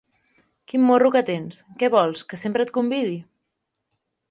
Quin morro que tens, què vols, que sempre et convidi?